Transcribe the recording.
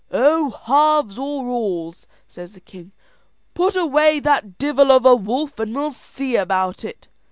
"Oh, halves or alls," says the king, "put away that divel of a wolf, and we'll see about it."